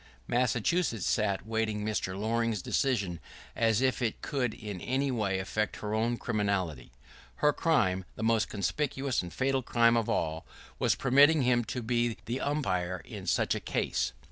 [¶15] Massachusetts sat waiting Mr. Loring's decision, as if it could in any way affect her own criminality. Her crime, the most conspicuous and fatal crime of all, was permitting him to be the umpire in such a case.